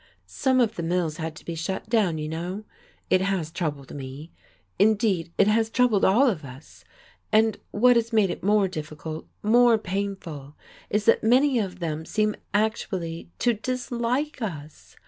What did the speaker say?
"Some of the mills had to be shut down, you know. It has troubled me. Indeed, it has troubled all of us. And what has made it more difficult, more painful is that many of them seem actually to dislike us.